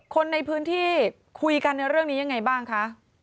คนในพื้นที่คุยกันในเรื่องนี้ยังไงบ้างคะ